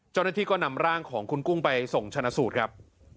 เจ้าหน้าที่ก็นำร่างของคุณกุ้งไปส่งชนะสูตรครับ